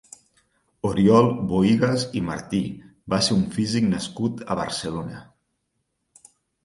Oriol Bohigas i Martí va ser un físic nascut a Barcelona.